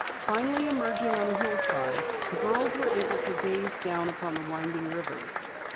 Finally emerging on an open hillside, the girls were able to gaze down upon the winding river.